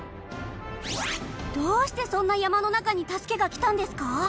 どうしてそんな山の中に助けが来たんですか？